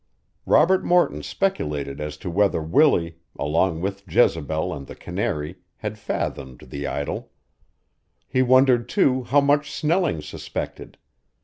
Robert Morton speculated as to whether Willie, along with Jezebel and the canary, had fathomed the idyl. He wondered, too, how much Snelling suspected.